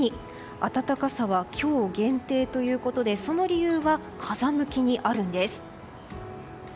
暖かさは今日限定ということでその理由は風向きにあるんです。